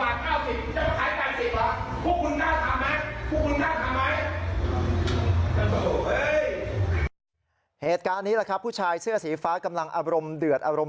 โรงพักโรงพักโรงพักโรงพัก